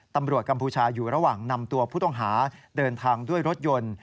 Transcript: กัมพูชาอยู่ระหว่างนำตัวผู้ต้องหาเดินทางด้วยรถยนต์